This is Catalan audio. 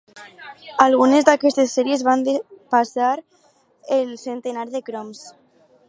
Algunes d'aquestes sèries van depassar el centenar de croms.